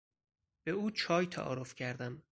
به او چای تعارف کردم.